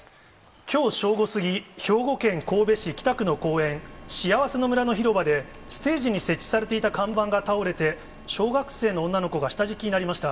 きょう正午過ぎ、兵庫県神戸市北区の公園、しあわせのむらの広場で、ステージに設置されていた看板が倒れて、小学生の女の子が下敷きになりました。